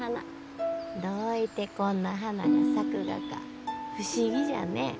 どういてこんな花が咲くがか不思議じゃね。